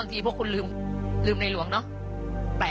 ขอบคุณครับ